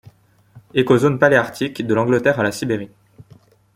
Écozone paléarctique de l'Angleterre à la Sibérie.